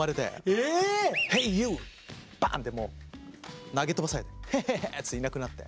ええ⁉バーンってもう投げ飛ばされてへへへっていなくなって。